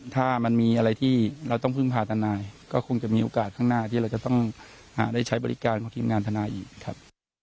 ถ้ามันมีอะไรที่เราต้องพึ่งพาทนายก็คงจะมีโอกาสข้างหน้าที่เราจะต้องได้ใช้บริการของทีมงานทนายอีกครับ